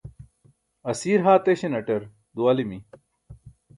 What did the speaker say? asiir haa teśanaṭar duwalimi